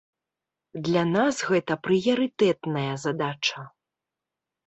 Для нас гэта прыярытэтная задача.